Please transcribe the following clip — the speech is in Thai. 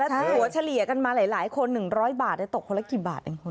แล้วตั๋วเฉลี่ยกันมาหลายหลายคนหนึ่งร้อยบาทแต่ตกคนละกี่บาทเองคุณ